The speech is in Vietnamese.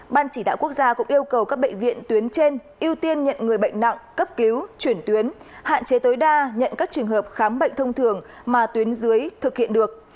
ban chỉ đạo quốc gia cũng yêu cầu các bệnh viện tuyến trên ưu tiên nhận người bệnh nặng cấp cứu chuyển tuyến hạn chế tối đa nhận các trường hợp khám bệnh thông thường mà tuyến dưới thực hiện được